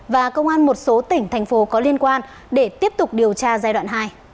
và công an một số tỉnh thành phố có liên quan để tiếp tục điều tra giai đoạn hai